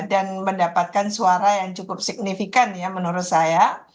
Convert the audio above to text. mendapatkan suara yang cukup signifikan ya menurut saya